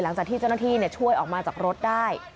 หลังจากที่เจ้าหน้าที่ช่วยออกมาจากรถได้